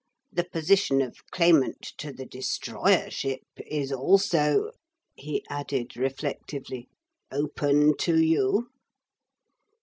The position of Claimant to the Destroyership is also,' he added reflectively, 'open to you.'